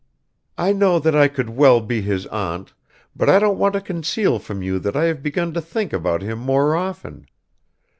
I know that I could well be his aunt, but I don't want to conceal from you that I have begun to think about him more often.